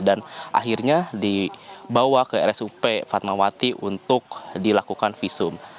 dan akhirnya dibawa ke rsup fatmawati untuk dilakukan visum